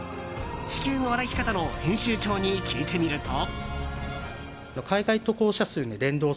「地球の歩き方」の編集長に聞いてみると。